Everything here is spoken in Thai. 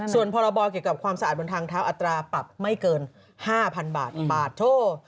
ส่วนพรบเกี่ยวกับความสะอาดบนทางเท้าอัตราปรับไม่เกิน๕๐๐๐บาทบาทโถ่